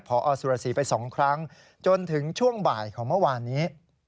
พอสุรสีไป๒ครั้งจนถึงช่วงบ่ายของเมื่อวานนี้